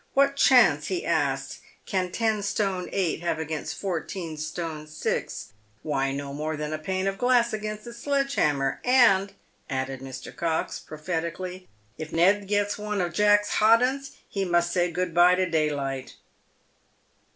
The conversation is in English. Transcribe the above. "What chance," he asked, " can ten stone eight have against fourteen stone six ? Why, no more than a pane of glass against a sledge hammer. And," added Mr. Cox, prophetically, " if Ned gets one of Jack's ' hot 'uns,' he must say good by to day light